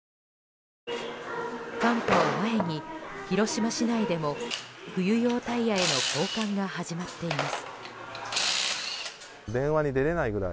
寒波を前に広島市内でも冬用タイヤへの交換が始まっています。